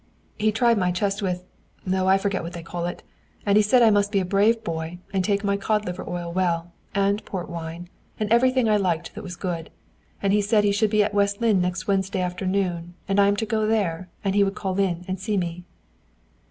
"He tried my chest with oh, I forget what they call it and he said I must be a brave boy and take my cod liver oil well, and port wine, and everything I liked that was good. And he said he should be at West Lynne next Wednesday afternoon; and I am to go there, and he would call in and see me."